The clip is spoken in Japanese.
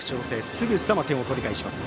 すぐさま点を取り返します。